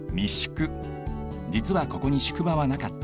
じつはここに宿場はなかった。